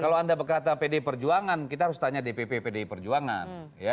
kalau anda berkata pdi perjuangan kita harus tanya dpp pdi perjuangan